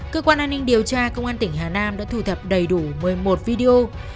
cơ quan an ninh điều tra công an tỉnh hà nam đã thu thập đầy đủ một mươi một video